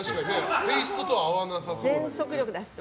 テイストとは合わなそう。